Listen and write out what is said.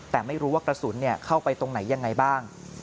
แต่ไม่รู้ว่ากระสุนเข้าไปตรงไหนยังไงบ้าง